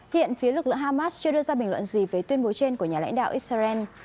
hiện phía lực lượng hamas chưa đưa ra bình luận gì về tuyên bố trên của nhà lãnh đạo israel